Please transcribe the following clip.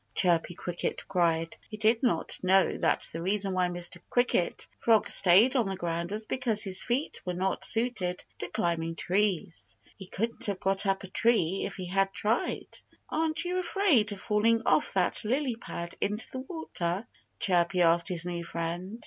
Chirpy Cricket cried. He did not know that the reason why Mr. Cricket Frog stayed on the ground was because his feet were not suited to climbing trees. He couldn't have got up a tree if he had tried. "Aren't you afraid of falling off that lily pad into the water?" Chirpy asked his new friend.